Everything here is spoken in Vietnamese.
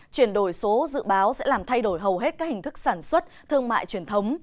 chuyển đổi số dự báo sẽ làm thay đổi hầu hết các hình thức sản xuất thương mại truyền thống